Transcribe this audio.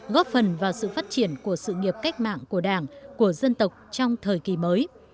góp phần vào sự phát triển của sự nghiệp cách mạng của đảng của dân tộc trong thời kỳ mới